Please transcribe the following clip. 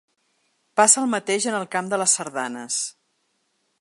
Passa el mateix en el camp de les sardanes.